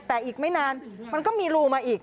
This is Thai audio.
แต่อีกไม่นานมันก็มีรูมาอีก